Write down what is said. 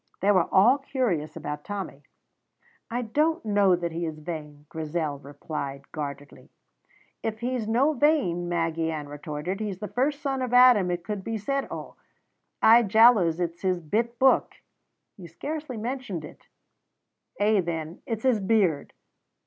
They were all curious about Tommy. "I don't know that he is vain," Grizel replied guardedly. "If he's no vain," Maggy Ann retorted, "he's the first son of Adam it could be said o'. I jalouse it's his bit book." "He scarcely mentioned it." "Ay, then, it's his beard."